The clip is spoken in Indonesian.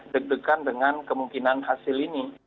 deg degan dengan kemungkinan hasil ini